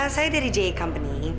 saya dari j company